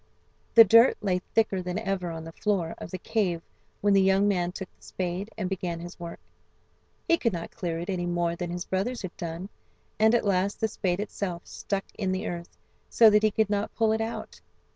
The dirt lay thicker than ever on the floor of the cave when the young man took the spade and began his work. He could not clear it any more than his brothers had done, and at last the spade itself stuck in the earth so that he could not pull it out.